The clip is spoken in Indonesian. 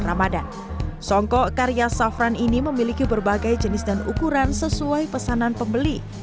ramadan songkok karya safran ini memiliki berbagai jenis dan ukuran sesuai pesanan pembeli